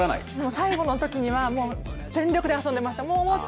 最後のときには全力で遊んでいました。